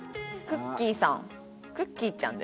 クッキーちゃん。